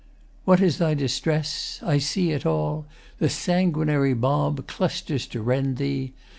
] What is thy distress? I see it all! The sanguinary mob Clusters to rend thee!